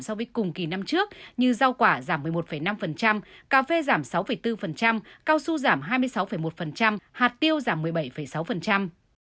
so với cùng kỳ năm trước như rau quả giảm một mươi một năm cà phê giảm sáu bốn cao su giảm hai mươi sáu một hạt tiêu giảm một mươi bảy sáu